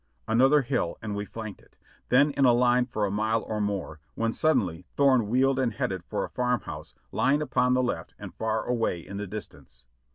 Another hill and we flanked it, then in a line for a mile or more, when suddenly Thorne wheeled and headed for a farm house lying upon the left and far away in the distance.